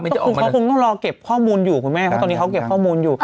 ก็คือเขาคงต้องรอเก็บข้อมูลอยู่คุณแม่เพราะตอนนี้เขาเก็บข้อมูลอยู่